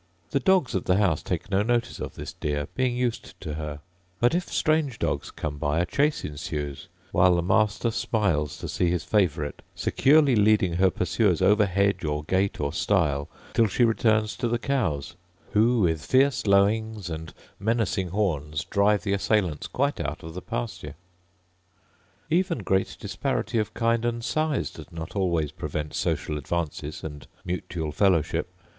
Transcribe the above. The dogs of the house take no notice of this deer, being used to her; but, if strange dogs come by, a chase ensues; while the master smiles to see his favourite securely leading her pursuers over hedge, or gate, or stile, till she returns to the cows, who, with fierce longings and menacing horns, drive the assailants quite out of the pasture. Even great disparity of kind and size does not always prevent social advances and mutual fellowship.